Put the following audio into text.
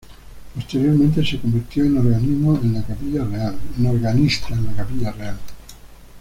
Posteriormente se convirtió en organista en la Capilla Real.